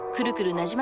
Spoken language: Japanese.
なじま